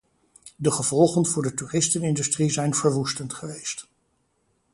De gevolgen voor de toeristenindustrie zijn verwoestend geweest.